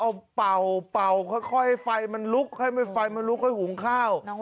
ค่อยให้ไฟมันลุกให้ไฟมันลุกให้หุงข้าว